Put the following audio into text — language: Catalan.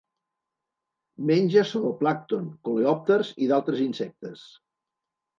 Menja zooplàncton, coleòpters i d'altres insectes.